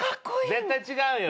絶対違うよ。